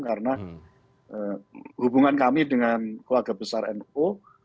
karena hubungan kami dengan keluarga besar noo